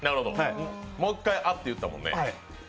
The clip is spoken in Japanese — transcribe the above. もっかい「あ」って言ってもんね。